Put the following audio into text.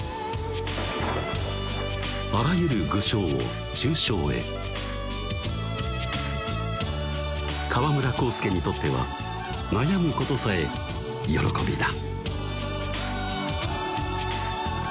あらゆる具象を抽象へ河村康輔にとっては悩むことさえ喜びだ